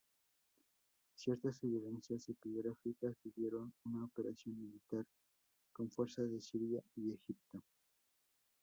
Ciertas evidencias epigráficas sugieren una operación militar, con fuerzas de Siria y Egipto.